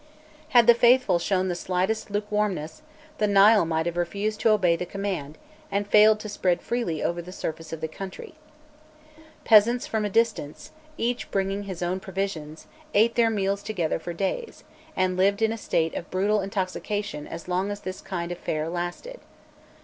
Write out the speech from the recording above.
Had the faithful shown the slightest lukewarmness, the Nile might have refused to obey the command and failed to spread freely over the surface of the country. Peasants from a distance, each bringing his own provisions, ate their meals together for days, and lived in a state of brutal intoxication as long as this kind of fair lasted.